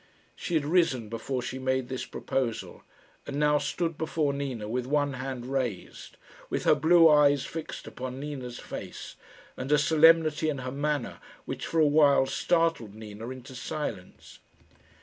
She had risen before she made this proposal, and now stood before Nina with one hand raised, with her blue eyes fixed upon Nina's face, and a solemnity in her manner which for a while startled Nina into silence.